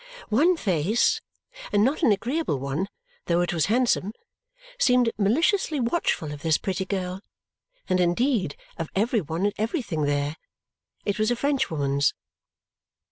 One face, and not an agreeable one, though it was handsome, seemed maliciously watchful of this pretty girl, and indeed of every one and everything there. It was a Frenchwoman's.